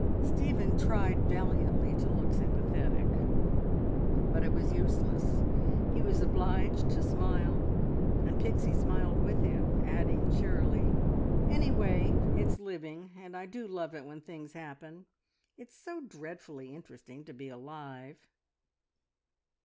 Stephen tried valiantly to look sympathetic, but it was useless; he was obliged to smile, and Pixie smiled with him, adding cheerily "Anyway, it's living! ... And I do love it when things happen. It's so dreadfully interesting to be alive."